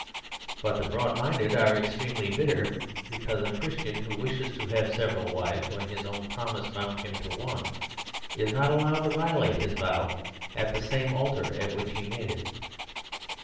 But the broad minded are extremely bitter be 108 The Superstition of Divorce cause a Christian who wishes to have several wives when his own promise bound him to one, is not allowed to violate his vow at the same altar at which he made it.